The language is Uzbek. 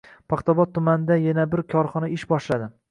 Paxtaobod tumanida yana bir korxona ish boshladi